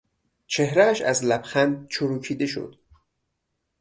چهرهاش از لبخند چروکیده شد.